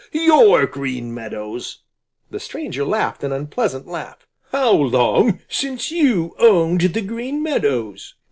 Your Green Meadows!" The stranger laughed an unpleasant laugh. "How long since you owned the Green Meadows?